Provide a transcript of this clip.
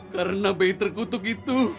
karena bayi terkutuk itu